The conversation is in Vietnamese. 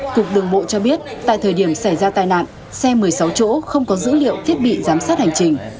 cục đường bộ cho biết tại thời điểm xảy ra tai nạn xe một mươi sáu chỗ không có dữ liệu thiết bị giám sát hành trình